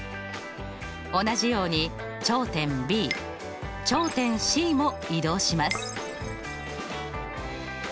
同じように頂点Ｂ頂点Ｃも移動します。